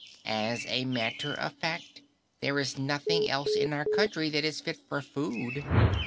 As a matter of fact, there is nothing else in our country that is fit for food.